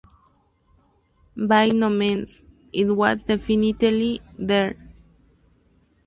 By no means: It was definitely there.